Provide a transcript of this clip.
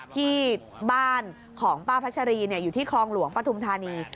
ที่บ้านของป้าพัชรีอยู่ที่คลองหลวงปฐุมธานี